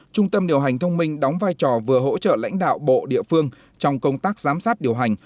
trung tâm điều hành thông minh đóng vai trò vừa hỗ trợ lãnh đạo bộ địa phương trong công tác giám sát điều hành